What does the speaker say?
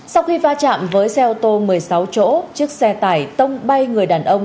sau khi va chạm với xe ô tô một mươi sáu chỗ chiếc xe tải tông bay người đàn ông